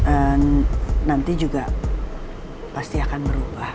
eee nanti juga pasti akan berubah